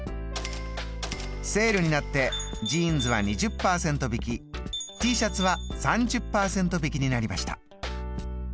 セールになってジーンズは２０％引きＴシャツは３０％引きになりました。